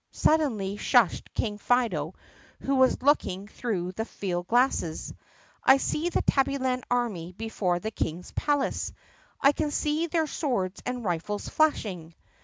suddenly shushed King Fido who was looking through his field glasses. I see the Tabbyland army before the King's palace. I can see their swords and rifles flashing."